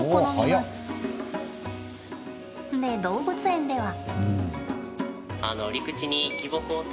で、動物園では。